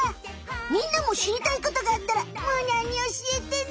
みんなもしりたいことがあったらむーにゃんにおしえてね！